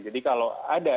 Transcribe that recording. jadi kalau ada